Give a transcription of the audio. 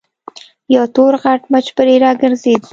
يو تور غټ مچ پرې راګرځېد.